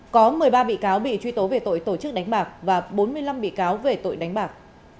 có một mươi ba bị cáo bị truy tố về tội tổ chức đánh bạc và bốn mươi năm bị cáo về tội đánh bạc